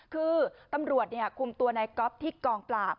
คือตำรวจคุมตัวนายก๊อฟที่กองปราบ